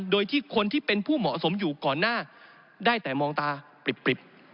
โดยที่คนที่เป็นผู้เหมาะสมอยู่ก่อนหน้าได้แต่มองตาปริบ